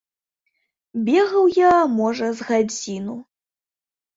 Бегаў я, можа, з гадзіну.